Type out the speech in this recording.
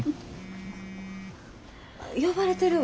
呼ばれてるわ。